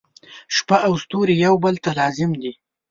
• شپه او ستوري یو بل ته لازم دي.